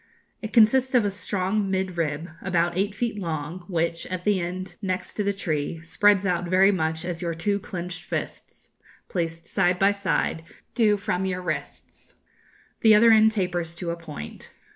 It consists of a strong mid rib about eight feet long, which, at the end next to the tree, spreads out very much as your two clenched fists, placed side by side, do from your wrists. The other end tapers to a point.